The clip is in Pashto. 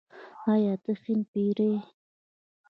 “آیا ته هندی پیر یې؟”